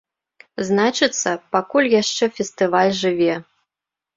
Значыцца, пакуль яшчэ фестываль жыве!